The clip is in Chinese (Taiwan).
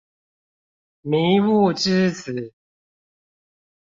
迷霧之子